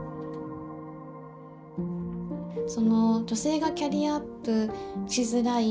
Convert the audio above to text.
その女性がキャリアアップしづらい